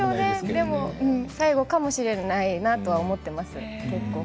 でも最後かもしれないなとも思っています。